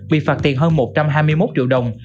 bị phạt tiền hơn một trăm hai mươi một triệu đồng